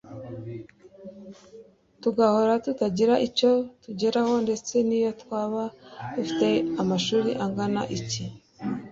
tugahora tutagira icyo tugeraho, ndetse niyo twaba dufite amashuri angana iki